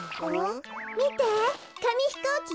みてかみひこうきよ。